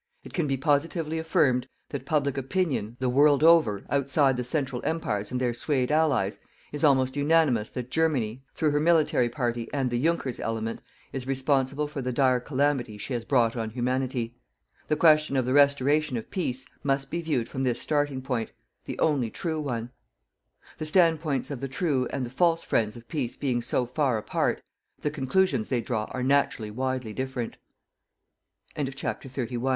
It can be positively affirmed that public opinion, the world over, outside the Central Empires and their swayed allies, is almost unanimous that Germany, through her military party and the junkers element, is responsible for the dire calamity she has brought on Humanity. The question of the restoration of "PEACE" must be viewed from this starting point the only true one. The standpoints of the TRUE and the FALSE friends of PEACE being so far apart, the conclusions they draw are naturally widely different. CHAPTER XXXII. A MOST REPR